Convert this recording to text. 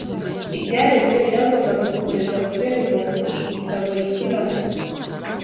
ibyaremwe byagombaga gukomeza kubera umuntu igitabo yigiramo